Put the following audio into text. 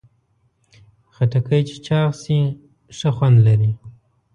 خټکی چې چاق شي، ښه خوند لري.